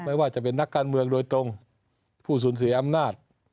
ไม่ว่าจะเป็นนักการเมืองโดยตรงผู้สูญเสียอำนาจ